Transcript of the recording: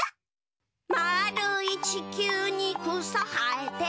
「まーるいちきゅうにくさはえて」